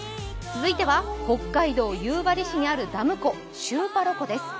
続いては、北海道夕張市にあるダム湖、シューパロ湖です。